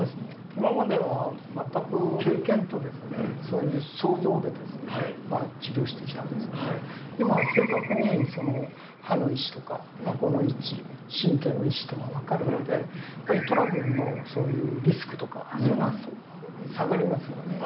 今までは全く経験と想像でですね、治療してきたんですけども、今は正確に、歯の位置とか、あごの位置、神経の位置等が分かるので、やっぱりトラブルのそういうリスクとか、そういうのは下がりますよね。